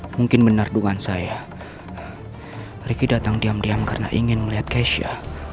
mungkin benar dugaan saya ricky datang diam diam karena ingin melihat keisha